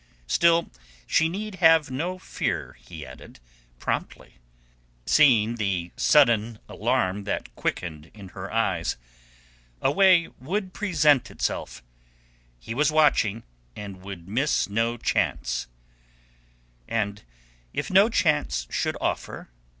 Still she need have no fear, he added promptly, seeing the sudden alarm that quickened in her eyes. A way would present itself. He was watching, and would miss no chance. "And if no chance should offer?"